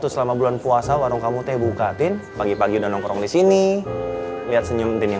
sampai jumpa di video selanjutnya